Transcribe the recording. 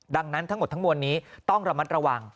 ดังนั้นทั้งหมดทั้งมวลนี้ต้องระมัดระวัง